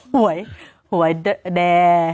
หวยหวยแด